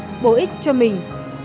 một bổ ích cho mình